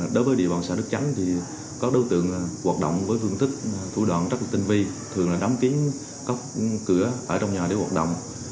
đối với địa bàn xã đức tránh có đối tượng hoạt động với phương thức thủ đoạn trách lực tinh vi thường là đám kiến cấp cửa ở trong nhà để hoạt động